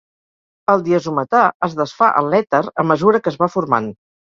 El diazometà es desfà en l'èter a mesura que es va formant.